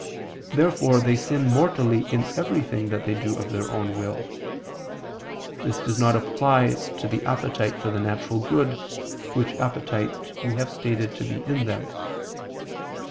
Therefore they sin mortally in everything that they do of their own will. This does not apply to the appetite for the natural good, which appetite we have stated to be in them (I, Q.